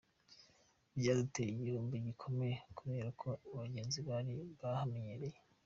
Byaduteje igihombo gikomeye kubera ko abagenzi bari bahamenyereye.